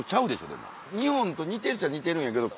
でも日本と似てるっちゃ似てるんやけど。